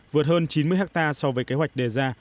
vượt hơn chín mươi hectare so với kế hoạch đề ra